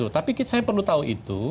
tapi saya perlu tahu itu